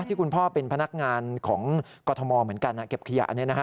ที่คุณพ่อเป็นพนักงานของกอทมเหมือนกันเก็บขยะ